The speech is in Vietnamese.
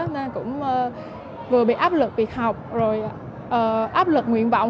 nên cũng vừa bị áp lực việc học rồi áp lực nguyện vọng